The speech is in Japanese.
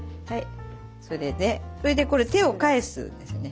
それでこれ手を返すんですよね。